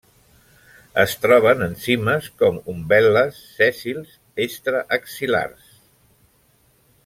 Es troben en cimes com umbel·les, sèssils extraaxil·lars.